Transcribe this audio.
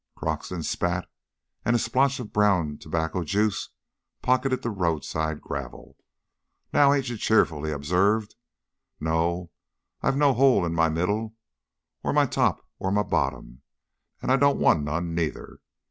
Croxton spat and a splotch of brown tobacco juice pocked the roadside gravel. "Now ain't you cheerful!" he observed. "No, I've no hole in my middle, or my top, or my bottom and I don't want none, neither.